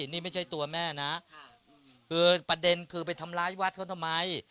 นี่ไม่ใช่ตัวแม่นะคือประเด็นคือไปทำร้ายวัดเขาทำไม